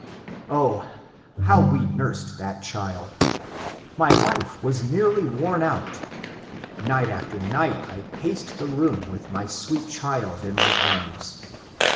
Oh, how we nursed that child I My wife was nearly worn out. Night after night I paced the room with my sweet child in my arms.